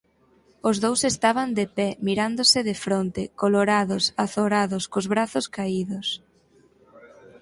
Os dous estaban de pé, mirándose de fronte, colorados, azorados, cos brazos caídos.